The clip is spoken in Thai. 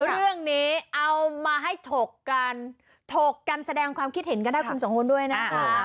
เรื่องนี้เอามาให้ถกกันถกกันแสดงความคิดเห็นกันได้คุณสองคนด้วยนะคะ